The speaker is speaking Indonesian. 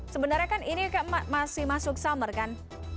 sebenarnya kan ini masih masuk summer kan